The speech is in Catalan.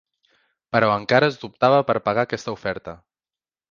Però encara es dubtava per pagar aquesta oferta.